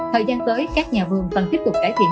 thời gian tới các nhà vườn cần tiếp tục cải thiện